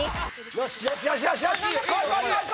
よしよしよしっ！